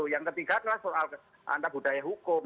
yang ketiga adalah soal antar budaya hukum